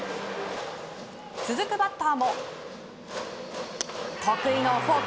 続くバッターも得意のフォーク。